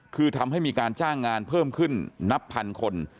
คือทำให้มีการจ้างงานเพิ่มขึ้นนับพันคน